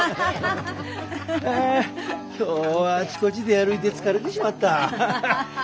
あ今日はあちこち出歩いて疲れてしまった。